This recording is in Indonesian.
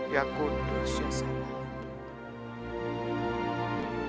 ya qudus ya salam